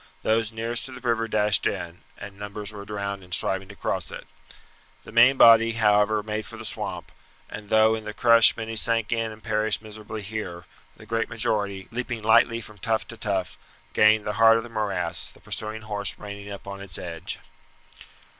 Those nearest to the river dashed in, and numbers were drowned in striving to cross it. The main body, however, made for the swamp, and though in the crush many sank in and perished miserably here, the great majority, leaping lightly from tuft to tuft, gained the heart of the morass, the pursuing horse reining up on its edge.